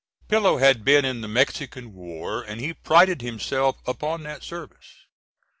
Pillow had been in the Mexican War and he prided himself upon that service.